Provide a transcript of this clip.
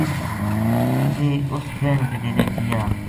ویہ اس بہن کے ڈیرے گیا